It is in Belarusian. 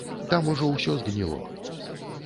Там ужо ўсё згніло.